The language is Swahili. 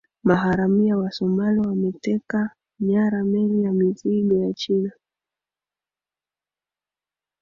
maharamia wa somali wameteka nyara meli ya mizigo ya china